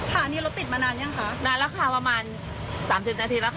ค่ะนี่รถติดมานานยังคะนานแล้วค่ะประมาณสามสิบนาทีแล้วค่ะ